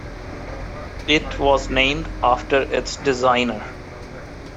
It was named after its designer.